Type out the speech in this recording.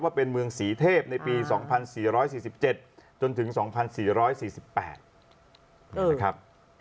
เป็นเมืองศรีเทพในปี๒๔๔๗จนถึง๒๔๔๘นะครับ